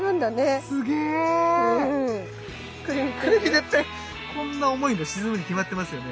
絶対こんな重いんで沈むに決まってますよね。